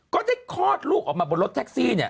ก็ได้คลอดลูกออกมาบนรถแท็กซี่เนี่ย